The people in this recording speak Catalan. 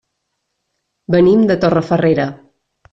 Venim de Torrefarrera.